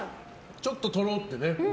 ちょっと、とろっとね。